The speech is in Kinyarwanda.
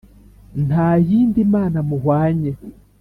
Nta yindi Mana muhwanye